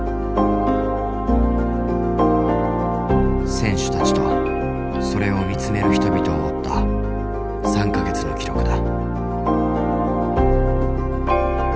選手たちとそれを見つめる人々を追った３か月の記録だ。